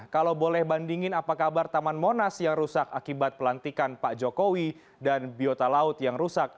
kalau boleh bandingin apa kabar taman monas yang rusak akibat pelantikan pak jokowi dan biota laut yang rusak